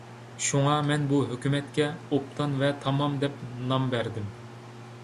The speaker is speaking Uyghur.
شۇڭا، مەن بۇ ھۆكمىتىمگە «ئوبدان ۋە تامام» دەپ نام بەردىم.